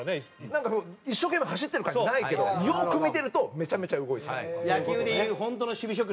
なんかその一生懸命走ってる感じないけどよく見てるとめちゃめちゃ動いてる。